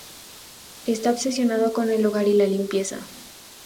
Está obsesionado con el hogar y la limpieza.